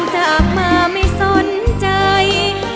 พลังงานไว้